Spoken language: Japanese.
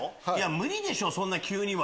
無理でしょそんな急には。